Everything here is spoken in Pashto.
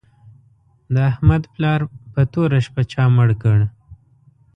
د احمد پلار په توره شپه چا مړ کړ